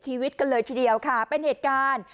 ชีวิตกันเลยทีเดียวค่ะเป็นเหตุการณ์